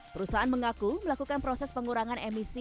perusahaan mengaku melakukan proses pengurangan emisi